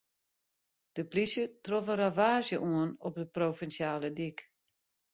De polysje trof in ravaazje oan op de provinsjale dyk.